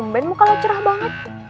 lumben muka lo cerah banget